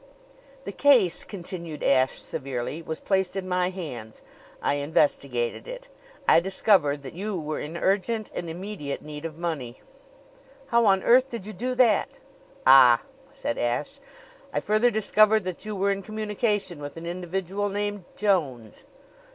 "The case," continued Ashe severely, "was placed in my hands. I investigated it. I discovered that you were in urgent and immediate need of money." "How on earth did you do that?" "Ah!" said Ashe. "I further discovered that you were in communication with an individual named Jones."